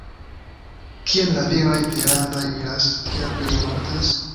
Kien la viroj vialandaj iras, kiam ili mortas?